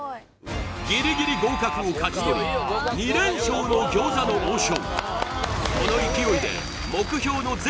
ギリギリ合格を勝ち取り２連勝の餃子の王将